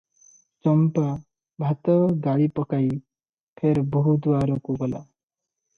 ଚମ୍ପା ଭାତ ଗାଳି ପକାଇ ଫେର ବୋହୂ ଦୁଆରକୁ ଗଲା ।